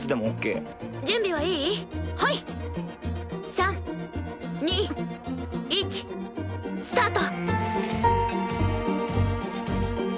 ３２１スタート。